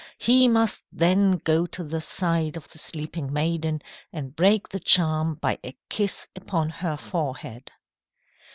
He must then go to the side of the sleeping maiden and break the charm by a kiss upon her forehead."